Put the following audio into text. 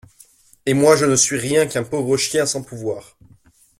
Et moi je ne suis rien qu'un pauvre chien sans pouvoir!